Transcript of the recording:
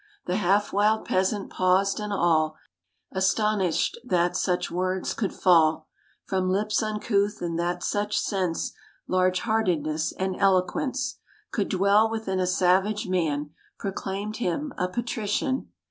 The half wild peasant paused, and all, Astonished that such words could fall From lips uncouth, and that such sense, Large heartedness, and eloquence, Could dwell within a savage man, Proclaimed him a Patrician.